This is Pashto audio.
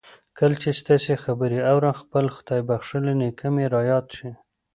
کله چې ستاسې خبرې آورم خپل خدای بخښلی نېکه مې را یاد شي